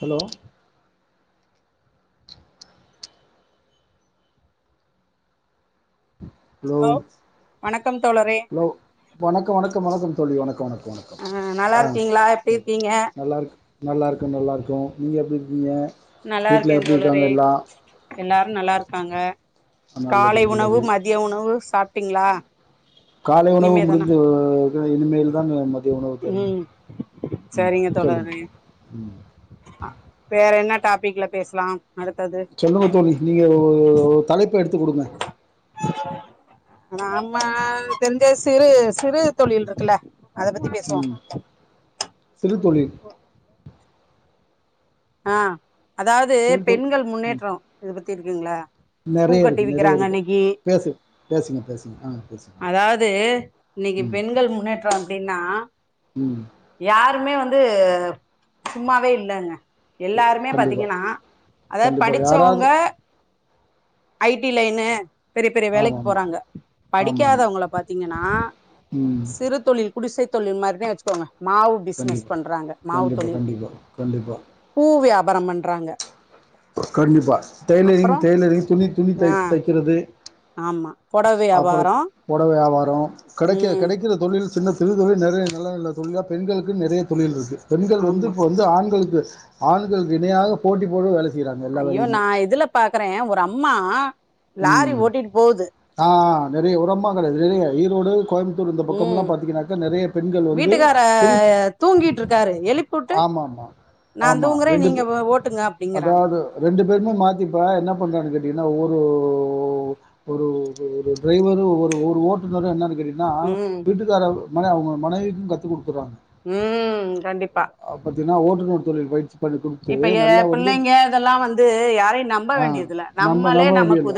Hello hello வணக்கம் தோழரே hello வணக்க வணக்க வணக்க தோழி வணக்க வணக்க வணக்க ஆ நல்லா ஆஹ் இருக்கீங்களா எப்டி இருக்கீங்க நல்லா இருக் நல்லாருக்க நல்லாருக்கொ நீங்க எப்டி இருக்கீங்க நல்லா இருக்கே வீட்ல எப்டி தோழரே இருக்காங்க எல்லா எல்லாரு நல்லா இருக்காங்க நல்லது காலை உணவு நல்லது மதிய உணவு சாப் டிங்களா காலை உணவு முடிந்து இனிமேல்தா மதிய உணவு தருங் ம் சரிங்க சொல்லுங் தோழரே வேற என்ன டாபிக்ல பேசலாம் சொல்லுங்க தோழி நீங்க தலைப்பு எடுத்து கொடுங்க நம்ம தெரிஞ்ச சிறு சிறு தொழில் இருக்ல உம் சிறு தொழில் ஆஹ் அதாவ்து சிறு தொ பெண்கள் ம் முன்னேற்றோ இது பத் திருக்கிங்ளா நெறைய பூக்கட்டி இருக்கு நெறைய விக்கிறாங்க இருக்கு இன்னக்கி பேசு பேசுங்க பேசுங்க ஆ பேசுங்க அதாவ்து இன்னக்கி பெண்கள் முன்னேற்றம் ப்டின்னா உம் யாருமே வந்து சும்மாவே இல்லங்க எல்லாருமே கண்டிப்பா பாத்தீங்கனா அதாவ்து கண்டிப்பா யாராவது படிச்சவ்ங்க ஐ டி லைனு பெரிய பெரிய வேலைக்கு ஆமாம் ஆமாம் போறாங்க ஆமாம் ஆமாம் படிக்காதவ்ங்கள பாத்தீங்கனா ம் சிறு தொழில் குடிசை தொழில் மாரினே வச்கோங்க மாவு பிஸ்னஸ் கண்டிப்பாக பண்றாங்க மாவு கண்டிப்பாக தொழில் கண்டிப்பாக கண்டிப்பாக பூ வியாப் பாரம் பண்றாங்க கண்டிப்பா டெய்லரிங் அப்புறோ டெய்லரிங் துணி துணி தை ஆ தைக்கிறது ஆமா பொடவ அப்பறக் வியாபாரோ பொடவ வியாவார கெடைக்க ம் கெடைக்கிற தொழி ல் சின்னத் தொழில் இத விட நெறைய நல்ல நல்ல தொழிலா பெண்களுக்குன் நெறைய தொழில் இருக்கு பெண்கள் வந்து ஆமா இப்ப வந்து ஆண்களுக் கு ஆண்களுக்கு இணையாக போட்டி போட்டு வேலை செ ஐயோ நா இதுல பாக் கிறே ஒரு அம்மா லாரி ஓட்டிட்டு போகுது நெறைய ஒரம்மா கெடையாது நெறைய ஈரோடு கோய்ம் புத்தூர் இந்த ம் பக்கம்லா பாத்தீங்கனாக்கா நெறைய பெண்கள் வந்து வீட்டுக்கார பெரியப் தூங்கிட்டு இருக்காரு எழுப்பிவுட்டு ஆமாம்மா நா ஆமா தூங்குறே ரெண்டு நீங்க பே ஓட்டுங்க அப்டிங்கறாங்க அதாது ரெண்டு பேருமே மாத்தி இப்ப என்ன பண்றாங்கன் கேட் இது என்ன ஊர் ஒ ஒ ஒ ஒரு ஒரு ஒரு டிரைவரு ஒரு ஒரு ஓட்டுநரு என்னனு கேட்டினா ம் வீட்டுக்காரவ் மன அவ்ங்க மனைவிக்கும் கத்துக் குடுக் உம் கண்டிப்பா ஏனா ஓட்டுநர் தொழில் பயிற்சி பண்ணி குடுத்து இப்ப எ நல்லா வந்து பிள்ளைங்க இதெல்லா வந்து யாரையு நம்ப வேண்டியதில்ல நம் இப்ப நம்ப வேண்டியல்ல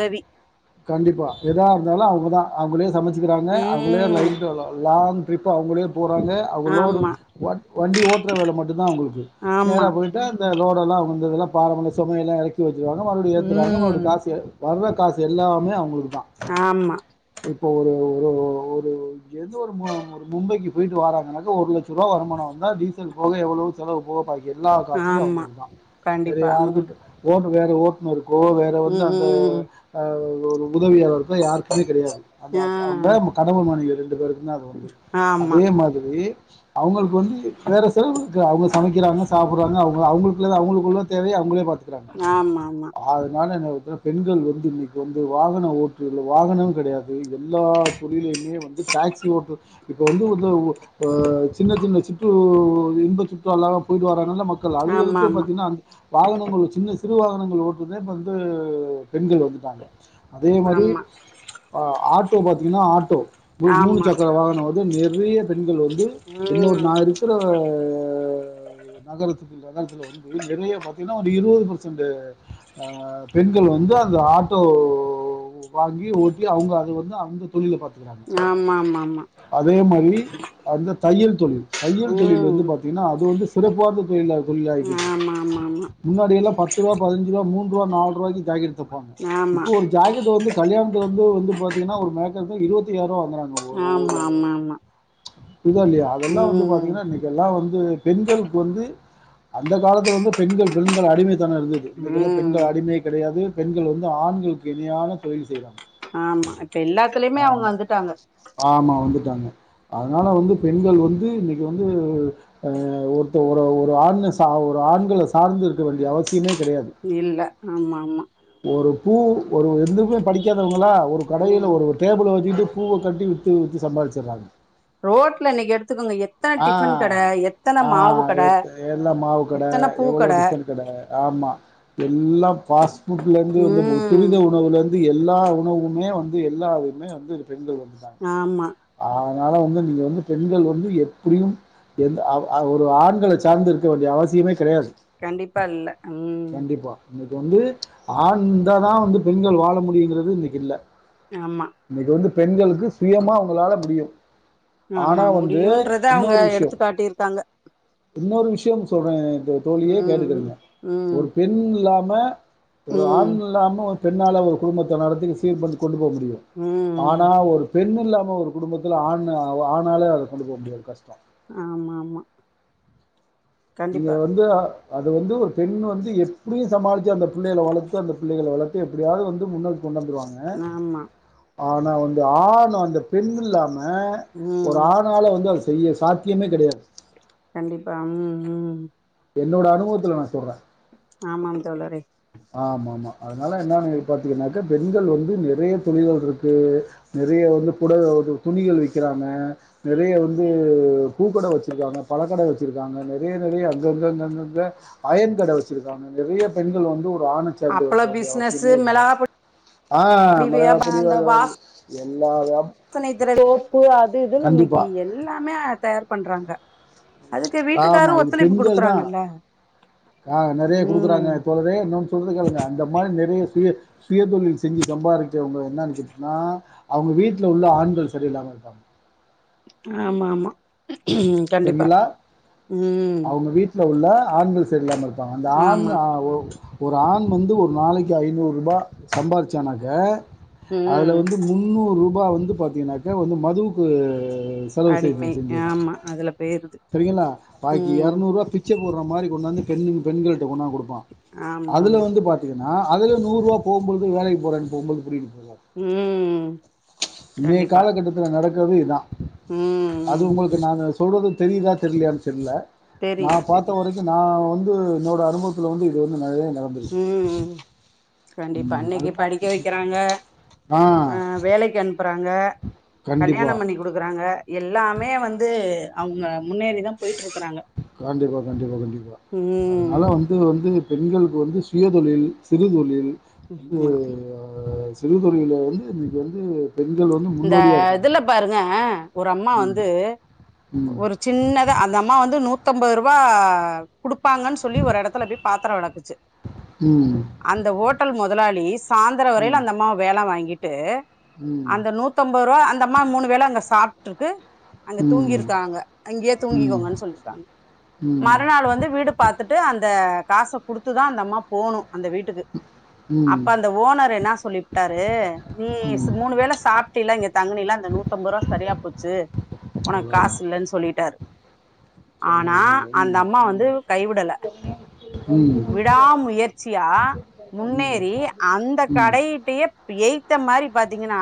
கண்டிப்பா எதா இருந்தாலு அவ்ங்கதா அவ்ங்களே சமச்சுக்கிறாங்க அவ்ங்களே ம் லைங் டூர் லாங் இப்ப அவ்ங்களே போறாங்க அவ்ங்க லோடு ஆமா வண் வண்டி ஓட்ற வேல மட்டுந்தா அவ்ங்களுக்கு ஆமா நேரா போயிட்ட அந்த லோட் தெல்லா வந்ததுல்லா பாரம்பண சமையல்லா எறக்கி வச் சிருவாங்க மறுபடி ஏத்துறாங்க மறுபடி ம் காஸ் வர்ற காசு எல்லாமே அவங்ளுக்கு தா ஆமா இப்போ ஒரு ஒரு ஒ ஒரு எதோரு ம ஒரு மும்பைக்கு போயிட்டு வராங்கனாக்கா ஒரு லட்சருவா வருமானோ வந்தா டீசல் போக எவ்ளோ செலவு போக பாக்கி எல்லா காஸ்மே ஆமா அவங்ளுக்கு தா வேற கண்டிப்பா ம் யாருகிட்ட ஓ வேற ஓட்டுனர் கோ வேற வந்து ம் அந் ம் உம் அஹ் [unintelligible] உதவியாளர்கோ யாருக்குமே கெடையாது அந்த ஆ அவங்க கணவன் மனைவி [unintelligible] சொன்னாரு வந்து ஆமா அதே மாதிரி அவங்ளுக்கு வந்து வேற செலவு இருக்கு அவங்க சமைக்கிறாங்க சாப்புறாங்க அவங் அவங்ளுக்கு அவங்களுக்குள்ள தேவைய அவங்களே பாத்து இருக்குறாங்க ஆமா அதனால என்ன ஒரு பெண்கள் வந்து இன்னைக்கு வந்து வாகனோ ஓட்டு வாகனம் கெடையாது எல்லா தொழிலயுமே வந்து டாக்ஸி ஓட்டு இப்போ வந்து [inaudible] சின்ன சின்ன சிற்று இன்ப சுற்று எல்லா போயிட்டு வரா நல்ல மக்கள் ஆமா அவங்ளுக்கே ஆமா பாத்தீங்கன்னா வாகனங்கள் சின்ன சி [unintelligible] வாகனங்கள் ஓட்டுதே வந்து பெண்கள் வந்துட்டாங்க அதே மாரி ஆமா அ ஆட் இப்போ பாத்தீங்கன்னா ஆட்டோ மூணு ஆமா சக்கர வாகனோ வந்து நெறைய பெண்கள் வந்து ஆமா இன்னொ நா ம் இருக்குற நகரத்து நகரத்துல வந்து நெறைய பாத் என்ன ஒரு இருபது பர்சன்டு ஆஹ் பெண்கள் வந் வந்து அந்த ஆட்டோ வாங்கி ஓட்டி அவங்க அது வந்து அவங்க தொழில்ல பாத் ஆமா ஆமா ஆமா [inaudible] அதே மாரி அந்த தையல் தொழில் தையல் தொழில் வந்து ம் பாத்தீங்கன்னா அது வந்து சிறப்பார்ந்த தொழில்லா தொழில்லாய்போச்சு இப்பொ ஆமா ஆமா ஆமா முன்னாடியெல்லா பத்து ரூவா பதினஞ் ரூவா மூன் ரூவா நாலு ரூவாய்க் ஜாக் தப்பாங்க ஆமா இப்ப ஒரு ஜாக்கெட் வந்து கல்யாணத்து வந் து வந்து பாத்தீங்கன்னா ஒரு மேக்கப்பே இருவத்தியய்யாறுவா ங்றாங்க ஒரு ஆமா ஒரு ஆமா ஆமா புரிதா இல்லையா அதெல்லா வந்து ம் பாத்தீங்கன்னா இன்னைக்கு எல்லா வந் து பெண்களுக்கு வந்து அந்த காலத்துல வந்து பெண்கள் பெண்கள் அடிமை தனொ இருந்தது இன்னைக்கெல்லா ம் பெண்கள் அடிமை கெடையாது பெண்கள் வந்து ஆண்களுக்கு இணையான தொழில் செய்றாங்க ஆமா இப்ப எல்லாத்துலயுமே அவங்க வந்துட்டாங்க ஆமா வந்துட்டாங்க. அதனால வந்து பெண்கள் வந்து இன்னிக்கு வந்து ஆ ஒருத்த ஒரு ஒரு ஆண் சார்ந் ஒரு ஆண்கள சார்ந்த இருக்க வேண்டிய அவசிய இல்ல ஆமாமா ஒரு பூ ஒரு எந்தமே படிக்காதவங்களா ஒரு கடையில ம் ஒரு டேபிள வெச்சிகிட்டு பூவ கட்டி வித்து வித்துனு சம்பாிச்சிடுறாங்க ரோட்ல இன்னிக்கு எடுத்துக்கோங்க எத்தன ஆ. டிஃபன் கட எத்தன ஆ மாவு கட எத் எல்லாம் மாவு கட, எத்தன பூ கட எல்லா பாஃஸ்ட் ட்ல இருந்து வ ம் துரித உணவுல இருந்து எல்லா உணவுமே வந்து எல்லாமே வந்து வந்துட்டாங்க ஆமா ஆ ன வந்து நீங்க வந்து பெண்கள் வந்து எப்படியு ஒரு ஆண்கள சார்ந்த இருக்க வேண்டிய அவசியமே கெடையாது கண்டிப்பா இல்ல ம் இன்னக்கி வந்து ஆண்இருந்தா தா வந்து பெண்கள் வாழ முடியுங்கிறது இன்னைக்கு இல்ல ஆமா பெண்களுக்கு சுயமா உங்களால முடியோ ஆமா முடியும்ன்றத அவுங்க விஷயம் எடுத்துக்காட்டியிருக்காங்க ம் சொல்றே தோழியே கேட்டுக்கிறுங்க ம் ஒரு பெண் லா ம ஒரு ம் ஆண் இல்லாமா வந் பெண்ணால ஒரு குடும்பத்த நடத்தி சீர் பண்ணி கொண்டு போகு மு ம் ம் ஆனா ஒரு பெண் பெண் இல்லாம ஒரு குடும்பத்துல ஆண் ஆணாலே அத கொண்டு போக முடியாது கஷ்டோ ஆமா ஆமா நீங்க கண்டிப்பா வந்து அது வந்து ஒரு பெண் வந்து எப்படியும் சமாளிச்சு அந்த பிள்ளைகள வளத்து அந்த பிள்ளைகள வளத்து எப்படியாவது வந்து முன்ன கொண்டு வந்துருவாங்க ஆமா ஆனா வந்து ஆண் அந்த பெண் இல்லாம ம ஒரு ம் ஆண்ணாள வந்து அது செய்ய சாத்தியமே கெடையாது ஆ ம் ம் என்னோட அனுபவத்துல நா சொல்ற ஆமாம் தோளறே ஆமாமா அதனால என்ன பாத்தீங்கன்னாக்கா பெண்கள் வந்து நெறைய தொழில்கள் இருக்கு நெறைய வந்து புட துணிகள் வைக்கிறாங்க நெறைய வந்து பூக்கட வச்சிருக்காங்க பழக்கட வச்சிருக்காங்க நெறைய நெறைய அங்கங்க அங்கங்கங்க அயன் கட வெச்சிருக்காங்க நெறைய பெண்கள் வந்து ஆண சார்ந்து அப்பள வெக்க வேண்டிய பிசினஸ் அவசியமே இல்ல மிளகா ஆஹ் [unintelligible] இப்ப [unintelligible] இது இன்னைக்கு கண்டிப்பா. எல்லாமே தயார் பண்றாங்க அதுக்கு ஆமா வீட்டுக்காரும் இது ஒத்துழைப்பு பெண்கள் தான் குடுக்குறாங்கல்ல ஆஹ் நெறைய குடுக்குறாங்க ம் தோர என்னன்னு சொல்றது கேளுங்க அந்த மாதிரி நெறைய சுய சுயதொழில் செஞ்சு சம்பாதிக்கவங்க என்னன்னு கேட்டீன்னா அவங்க வீட்டுல உள்ள ஆண்கள் சரியில்லாம இருக்காங்க ஆமா ஆமா கண்டிப்பா சரிங்களங்களா ம் அவங்க வீட்ல உள்ள ஆண்கள் சரியில்லாம இருப்பாங்க அந்த ஆண் ஆமா ஒரு ஆண் வந்து ஒரு நாளைக்கு ஐநூறு ரூபா சம்பாாரச்சனாக்கு அதுல ம் வந்து முன்னூறு ரூபா வந்து பாார்த்தீங்கன்னாக்கா வந்து மதுவுக்கு அடிமை ஆமா அதுல போயிருது செரிங்களா ம் பாகிநூறு ரூபா பிச்சை போடுற மாரி கொண்டாந்து பெண்கள் கொடுப்பம் ஆமா அதுல ஆமா வந்து பா்த்தீங்க அது நூறு ருவா போகும்போது வேலைக்கு போறே ம் [unintelligible] நீ கண்டிப்பா காலகட்டத்தில் நடக்குறது இதான் ம் அது ம் உங்களுக்கு நாங்க சொல்றது தெரியிதா தெரியலைய தெரில தெரியுது நான் பார்த்த தெரியுது வரைக்கும் நான் வந் என்னோட அனுபவத்துல வந்து இது வந்து நெறைய உம் கண்டிப்பா ம், அது அன்னைக்கு படிக்க வைக்கிறாங்க ஆ அஹ் வேலைக்கு அனு அப்பறாங்க கல்யாணம் கண்டிப்பாக பண்ணி குடுக்குறாங்க எல்லாமே வந்து அவங்க முன்னேறிதான் போயிட்டு இருக்கு கண்டிப்பா கண்டிப்பா கண்டிப்பா ம் அதனால வந்து வந்து பெண்களுக்கு வந்து சுயதொழில் சிறு தொழில் ஆமா [unintelligible] ஆஹ் [unintelligible] வந்து இன்றைக்கு வந்து பெண்கள் வந்து இந்த முன்னோடியாக இருக்காங்க இதுல பாருங்க ஒரு அம்மா ம் வந்து ம் ஒரு சின்னதா அந்த அம்மா வந்து நூத் பத்தொன்பது ரூபா கொடுப்பாங்கன்னு சொல்லி ஒரு இடத்துல போய் பாத்திரோ விளக்குச்சு ம் அந்த ஹோட்டல் மொதல் முதலாளி சாயந்திர வரையில அந்த அம்மாவ வேல வாங்கிட் ட்டு உம் ம்பரூவா அந்த அம்மா மூணு வேல அங்க சாப்ட்டுருக்கு அங்க ம் தூங்கிருக்காங்க அங்கேயே ம் தூங்கிக்கோங்கன்னு சொல்லிருக்காங்க ம் மறுநாள் வந்து வீடு பாத்துட்டு அந்த காச குடுத்துதா அந்த அம்மா போணு அந்த வீட்டுக்கு ம் அப்ப அந்த ஓனர் என்ன சொல்லிப்புட்டாரு நீ ம் மூணு வேள சாப் ல்ல இங்க தங்குனில்ல அந்த நூத்தம்பருவா சரியா போச்சு ஒனக் அவ்வளோதான் காசில்லன் சொல்லிட்டாரு ஆனா அந்த அம் மா வந்து கைவிடல விடாமுயற்ச் சியா முன்னேறி ஓகேங்களா அந்தக் கடயீட்டயே ப் எய்த்த மாரி பாத்தீங்கன்னா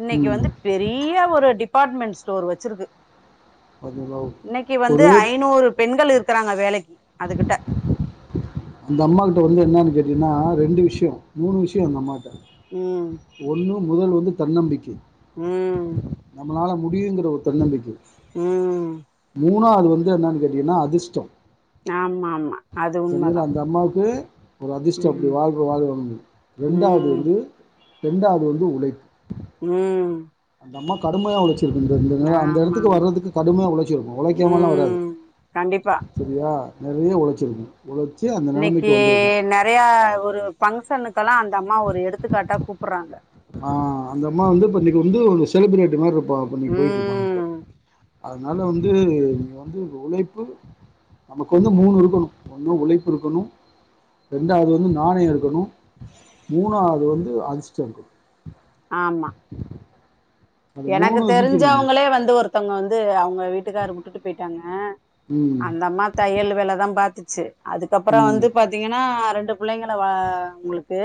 இன்னக்கி வந்து பெரிய ஒரு டிபார்ட்மெண்ட்ஸ் டோர் வச்சிருக்கு இன்னக்கி வந்து ஒரு ஐநூறு பெண்கள் இரு க்கறாங்க வேலைக் அதுக்கிட்ட அந்த அம்மா கிட்ட வந்து என்னானு கேட்டீங்கனா ரெண்டு விஷ்யொ மூணு விஷ்யொ அந்த அம்மா ம் ஒன்னு முதல் வந்து தன்னம்பிக்கை ம் நம்மளால மு டியுங்குற ஒரு தன்னம்பிக்கை ம் மூணாவது வந்து என்னான் கேட்டிங்னா அதிஷ்டொ ஆமா ஆமா அது உண்மதா அந்த அம்மாவுக்கு ஒரு அதிஷ்டொ அப்டி வாழ்க்க வாழ்றம்னு ரெண்டாவ்து ம் வந்து ரெண்டாவ்து வந்து உழைப் ம் அந்தம்மா கடுமையா உலச் சிட்ருந்ததுனால அந்த ஆமா ஆமா எடத்துக்கு வர்றதுக்கு கடுமையா உழச்சிருக்கு உழைக்காமல்லா வராது ம் கண்டிப்பா செரியா நறைய ஒழச்சிருக்கு இன்னக்கி நறையா ஒரு ஃபங்க் ஷனுக்கெல்லா அந்த அம்மா ஒரு எடுத்துக்காட்டா கூப்புர்றாங்க ஆ அந்த அம்மா வந்து இப்ப இன்னக்கி வந்து ஒரு செலிப்ரெட்டி மார்ருப் பா அப்ப நீ போய்ட்டு போனப்ப ம் அத்னால வந்து நீங்க வந்து உழைப்பு நமக்கு வந்து மூணு இருக்கணு ஒண்ணு உழைப்பு இருக்கணு ரெண்டாவது வந்து நாணயொ இருக்கணு மூணாவ்து வந்து அதிஷ்டொ இருக்கணு ஆமா அது எனக்கு இருந்துச்சுன்னு வைங்க தெரிஞ்சவங்களே வந்து ஒருத்தங்க வந்து அவங்க வீட் டுக்காரு உட்டு போயிட்டாங்க ம், அந்தம்மா தையல் வேலதா பாத்து ச்சு அதுக்கப்பறோ ம், வந்து பாத்தீங்கன்னா ரெண் பிள்ளைங்கல வ அவுங்களுக்கு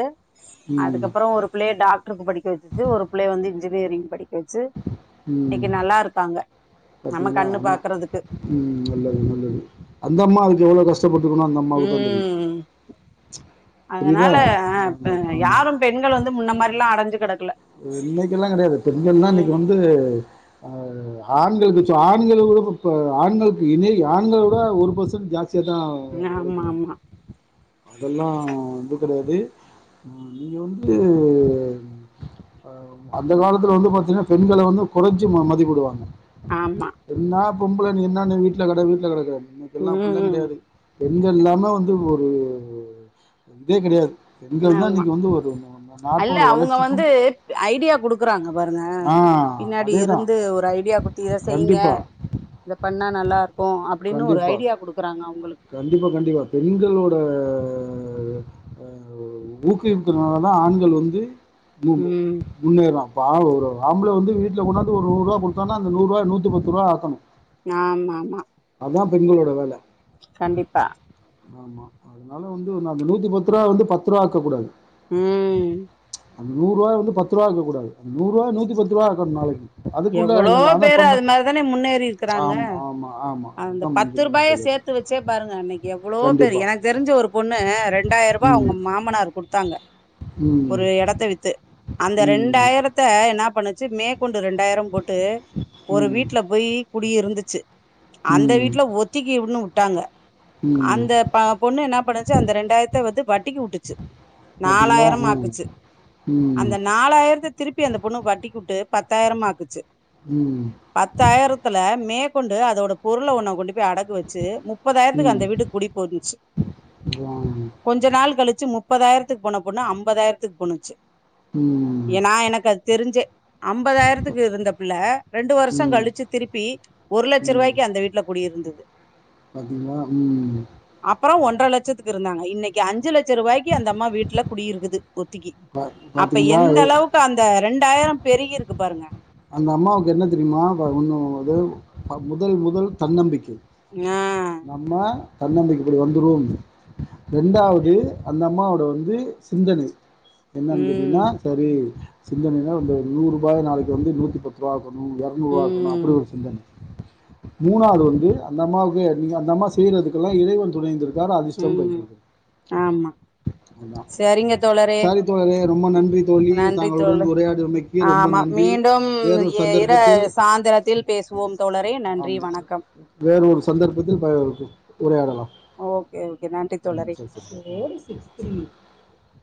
ம், அதுக்கப்பறோ ஒரு புள்ளைய டாக்ட்ருக்கு படிக்க வச்சுச்சு ஒரு பிள்ளைய வந்து இ ன்ஜினியரிங் படிக்க வச்சு இன்னைக்கு ம் நல்லா இருக்காங்க நம்ம பாத்தீங்களா கண்ணு அதான் பாக்குறதுக்கு ம் நல்லது நல்லது அந்த அம்மாவுக்கு எவ்வளவு கஷ் டபட்டுக்ககுனோ அந்த அம்மாவுக்கு தா தெரியு ம் அதனால ஆ யாரும் பெண்கள் வந்து முன்ன மாரில்லா அடைஞ்சு கிடக்கல இன்னைக்கெல்லா கெடையாது பெண்கள்லா இன்னைக்கு வந்து ம் ஆ ஆண்களுக்கு ச்ச ஆண்கள் விட இப்ப பெ ஆண்களுக்கு இனை ஆண்கள விட ஒரு பர்சன்ட் ஜா ஸ்திதா ஆமா உழைக்கிறாங்க ஆமா அதெல்லா வந்து கெடையாது நீங்க வந்து அந்த காலத்துல வந்து பாத்தீங்கன்னா பெண்கள வந்து குறச்சு ம மதிப்பிடுவாங்க ஆமா என்னாப் பொம்பல நீ என்னன்ன வீட்டுல கட வீட்ல கட இன்னைக்கெல்லா அப்பில்லா ம் கெடையாது பெண்கள் இல்லாமே வந்து ஒரு இதே கெடையாது பெண்கள் தா ஆமா இன்னைக்கு வந்து ஒரு நா அல்ல நாட்டோட வளர்ச்சிக்கும் [unintelligible] ஐடியா குடுக்குறாங்க பாருங்க ஆ பின்னாடி அதே தான் இருந்து ஒரு ஐடியா குடுத்து இத செய்யங்க கண்டிப்பாக இத பண்ணா நல்லா இருக்கு அப்டின்னு ஒரு கண்டிப்பாக ஐடியா குடுக்குறாங்க அவங்களுக்கு கண்டிப்பா கண்டிப்பா பெண்களோட ஆ ஊக்குவிப்புனாலதா ஆண்கள் வந்து மு ம் முன்னேறோ இப்ப ஆள் ஒரு ஆம்பள வந்து வீட்ல கொண்டாந்து ஒரு நூறுவா குடுத்தான்னா அந்த நூறுவா நூத்தி பத்து ரூவா ஆக்கணு ஆமா ஆமா பெண்களோட வேல கண்டிப்பா ஆமா அதனால வந்து அந்த நூத்தி பத்து ரூபா வந்து பத்து ரூவா ஆக்க கூடாது ம் அந்த நூறுவாய வந்து பத்து ரூவா ஆக்ககுடாது அந் நூறுவாய நூத்திபத்து ரூபா ஆக்கணு நாளைக்கி எவ்ளோ பேரு அது மாரிதானே முன்னேறி இருக்கிறாங்க ஆமா, ஆமா, ஆமா. அந்த அப்படிதான் பத்து முடிஞ்சுக்கணும் ரூபாய தோழி. சேத்து வச்சே பாருங்க அன்னைக்கு எவ்ளோ பேரு கண்டிப்பா. எனக்கு தெரிஞ்ச ஒரு பொண்ணு ரெண்டாயிர் ரூபா அவங்க ம், மாமனார் குடுத்தாங்க ஒரு ம், எடத்த வித்து அந்த ம், ரெண்டாயிரத்த என்ன என்ன பண்ணுச்சி மேக்கொண்டு ரெண்டு ரெண்டு ஆயிரம் போட்டு ஒரு ம், வீட்ல போய் குடி இருந்துச்சி அந்த ம், வீட்ல ஒத்திக்கு உட்னோ ட்டாங்க ம். அந்த ப பொண்ணு என்ன பண்ணுச்சு அந்த ரெண்டாயிரத்த வந்து வட்டிக்கு உட்டுச்சு பாத்தீங்களா நாலாயிரம் ம் ஆக்குச்சு ம் அந்த நாலாயிரத்த திருப்பி அந்த பொண்ணு வட்டிக்குட்டு பத்தாய்ரமா பிச்சு ம் பத்தாய்ரத்துல மே கொண்டு அதோட பொருள ஒன்ன கொண்டு அடகு வெச்சு முப்பதாய்த்துக்கு ம் அந்த வீட்டு கூடி போயிந்துச் ஆ கொஞ்ச நாள் கழிச்சு முப் முப்பதாயிரத்துக்கு போன பொண்ணு அம்பதாயிரத்துக் போணுச்சி ம் ம் ஏனா எனக்கு அது தெரிஞ்சே அம்பத் க்கு இருந்த பிள்ள ரெண்டு வருஷோ ம் கழுச்சி திருப்பி ஒரு லட்ச ருவாய்க்கு அந்த வீட்ல குடி இருந்தது [unintelligible] ம் ஒன்ற லட்சத்துக்கு இருந்தாங்க இன்னைக்கு அஞ்சு லட்ச ரூவாய்கி அந்தம்மா வீட்ல குடியிருக்குது ஒத்திக்கி அப்ப பாத்தீங்களா எந்த எ அளவுக்கு அந்த ரெண்டாயிரம் பெரிகிருக்கு பாருங்க அந்த அம்மாவுக்கு என்ன தெரிமா வா ஒண்ணு இது முதல் முதல் தன்னம்பிக்கை ஆ தன்னம்பிக்கப்படி வந்துரோம் அப்டி ரெண்டாவுது அந்த அம்மாவோட வந்து சிந்தனை என்னன்னு தெரியமா ம் செரி சிந்தனை அந்த ஒரு நூறுபாய் நாளை வந்து நூத்திபத்ருவாக் ணு எர்நூறுவாக்கணு அப்டி ம் ஒரு சிந்தனை மூணாது வந்து அந்த அம்மாவுக்கு நீ அந்த அம்மா செய்றதுக்கெல்லா இறைவன் துணை இருந்திருக் தேவ அதிஷ்டம் கை ம் குத்தது ஆமா அத்தா சரிங்க தோழரே சரி தோழரே ரொம்ப நன்றி தோழி நன்றி தங்களுடன் உரையாடியமைக்கு ரொம்ப நன்றி கம் வேறொரு எ இர சந்தர்ப்பத்தில் சாந்தரத்தில் பேசுவோம் தோழரே நன்றி ஆமா வணக்கம் வேறொரு சந்தர்ப்பத்தில் ப உரையாடலாம் ஓகே ஓகே நன்றி தோழரே [inaudible]